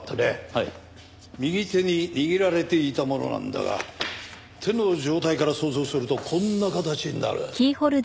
右手に握られていたものなんだが手の状態から想像するとこんな形になる。